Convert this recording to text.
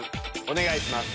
お願いします。